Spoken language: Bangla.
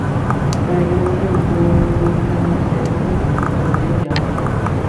ওরা এখানে বসে গুলতানি মেরে ওকে ধন্য করে দিচ্ছে, এমন ভাব।